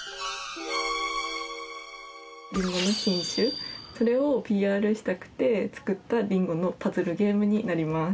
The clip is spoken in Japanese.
リンゴの品種をＰＲしたくて作ったリンゴのパズルゲームになります。